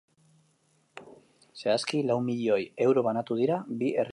Zehazki, lau milioi euro banatu dira bi herriotan.